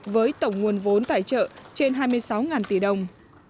với tổng nguồn vốn tài trợ trên hai mươi sáu tỷ đồng